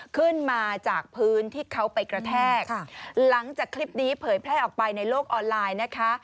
ขึ้นมาจากพื้นที่เขาไปกระแทกหลังจากคลิปนี้เผยแพร่ออกไปในโลกออนไลน์นะคะ